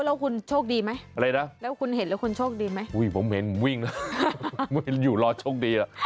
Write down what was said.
แล้วคุณโชคดีไหมแล้วคุณเห็นแล้วคุณโชคดีไหมอุ้ยผมเห็นวิ่งอยู่รอโชคดี